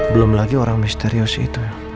belum lagi orang misterius itu